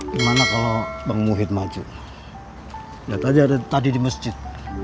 gimana kalau bang muhid maju lihat aja ada tadi di masjid